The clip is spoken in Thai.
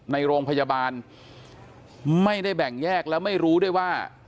ในโรงพยาบาลไม่ได้แบ่งแยกแล้วไม่รู้ด้วยว่า